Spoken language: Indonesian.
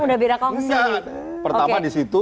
sudah berakong sih pertama di situ